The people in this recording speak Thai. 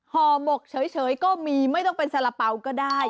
ห่อหมกเฉยก็มีไม่ต้องเป็นสาระเป๋าก็ได้